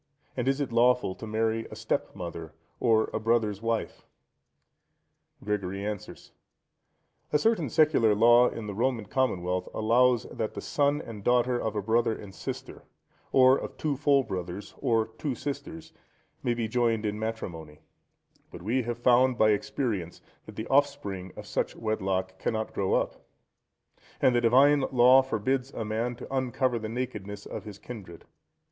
and is it lawful to marry a stepmother or a brother's wife? Gregory answers.—A certain secular law in the Roman commonwealth allows, that the son and daughter of a brother and sister,(125) or of two full brothers, or two sisters, may be joined in matrimony; but we have found, by experience, that the offspring of such wedlock cannot grow up; and the Divine law forbids a man to "uncover the nakedness of his kindred."